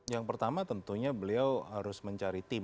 yang pertama tentunya beliau harus mencari tim